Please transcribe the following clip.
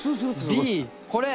Ｂこれ。